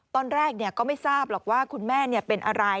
ตอนแรกก็ไม่ทราบหรอกว่าคุณแม่เป็นอะไร